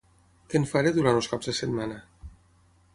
Què en faré durant els caps de setmana?